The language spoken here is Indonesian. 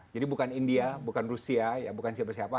jadi bukan india bukan rusia bukan siapa siapa